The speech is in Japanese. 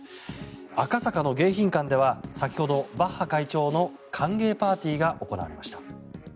赤坂の迎賓館では先ほど、バッハ会長の歓迎パーティーが行われました。